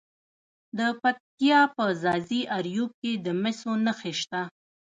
د پکتیا په ځاځي اریوب کې د مسو نښې شته.